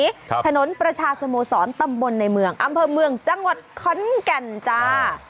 ครับถนนประชาสโมสรตำบลในเมืองอำเภอเมืองจังหวัดขอนแก่นจ้า